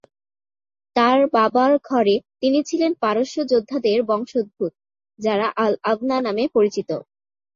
তাঁর বাবার ঘরে তিনি ছিলেন পারস্য যোদ্ধাদের বংশোদ্ভূত, যারা আল-আব্না নামে পরিচিত।